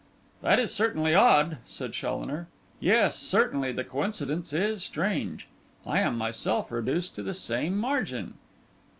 'That is certainly odd,' said Challoner; 'yes, certainly the coincidence is strange. I am myself reduced to the same margin.